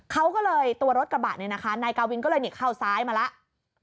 เขาก็เลยตัวรถกระบะเนี่ยนะคะนายกาวินก็เลยนี่เข้าซ้ายมาแล้ว